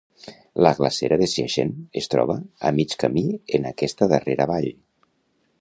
La glacera de Siachen es troba a mig camí en aquesta darrera vall.